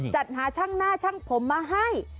จัดหาช่างหน้าช่างผมมาให้